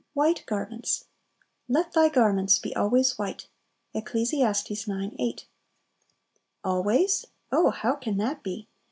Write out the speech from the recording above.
White Garments. "Let thy garments be always white." Eccles. ix. 8. "Always?" Oh, how can that be?